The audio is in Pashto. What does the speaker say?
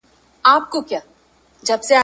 دوه خورجینه په لومړۍ ورځ خدای تیار کړل `